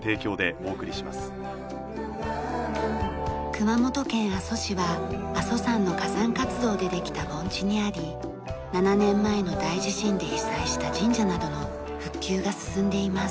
熊本県阿蘇市は阿蘇山の火山活動でできた盆地にあり７年前の大地震で被災した神社などの復旧が進んでいます。